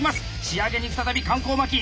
仕上げに再び環行巻き。